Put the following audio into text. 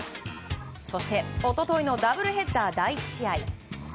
そして、一昨日のダブルヘッダー第１試合